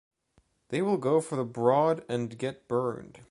They will go for the broad and get burned.